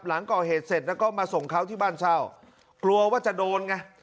หลังก่อเหตุเสร็จแล้วก็มาส่งเขาที่บ้านเช่ากลัวว่าจะโดนไง